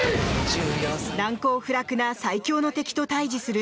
難攻不落な最強の敵と対峙する